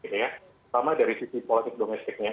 pertama dari sisi politik domestiknya